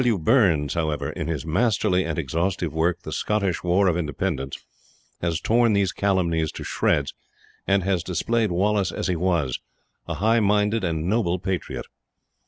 W. Burns, however, in his masterly and exhaustive work, The Scottish War of Independence, has torn these calumnies to shreds, and has displayed Wallace as he was, a high minded and noble patriot.